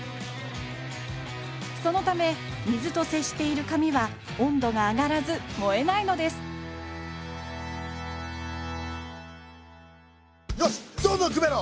そのため水と接している紙は温度が上がらず燃えないのですよしどんどんくべろ！